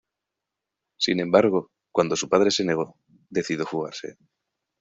Sin embargo, cuando su padre se negó, decidió fugarse.